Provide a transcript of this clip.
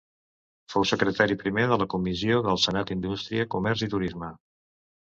Fou secretari primer de la Comissió del Senat d'Indústria, Comerç i Turisme.